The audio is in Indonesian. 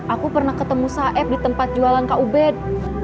aku pernah ketemu saeb di tempat jualan kak ubed